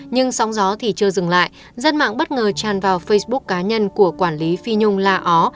nhưng sóng gió thì chưa dừng lại dân mạng bất ngờ tràn vào facebook cá nhân của quản lý phi nhung la ó